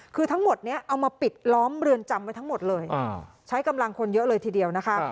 คือทั้งหมดนี้เอามาปิดล้อมเรือนจำไว้ทั้งหมดเลยใช้กำลังคนเยอะเลยทีเดียวนะคะ